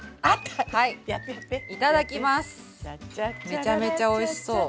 めちゃめちゃおいしそう。